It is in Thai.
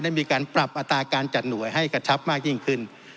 ได้มีการปรับอัตราการจัดหน่วยให้กระชับมากยิ่งขึ้น